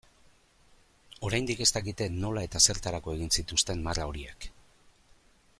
Oraindik ez dakite nola eta zertarako egin zituzten marra horiek.